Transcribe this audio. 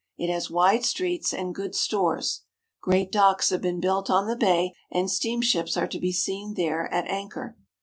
It has wide streets and good stores. Great docks have been built on the bay and steamships are to be seen there at anchor.